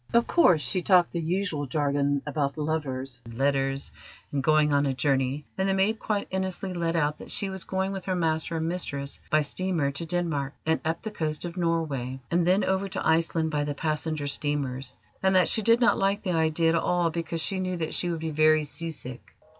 Of course, she talked the usual jargon about lovers and letters and going on a journey, and the maid quite innocently let out that she was going with her master and mistress by steamer to Denmark and up the coast of Norway, and then over to Iceland by the passenger steamers, and that she did not like the idea at all, because she knew that she would be very seasick."